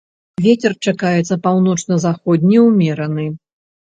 Вецер чакаецца паўночна-заходні ўмераны.